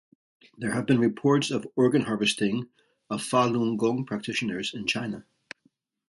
There have being reports of Organ harvesting of Falun Gong practitioners in China.